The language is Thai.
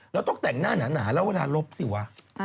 แล้วต้องแต่งหน้ามัดหนาเล่าเวลารบสิวะ